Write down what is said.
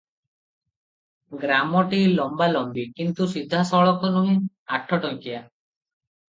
ଗ୍ରାମଟି ଲମ୍ବାଲମ୍ବି; କିନ୍ତୁ ସିଧାସଳଖ ନୁହେଁ; ଆଠଟଙ୍କିଆ ।